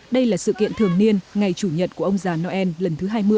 đây là sự kiện thường niên ngày chủ nhật của ông già noel lần thứ hai mươi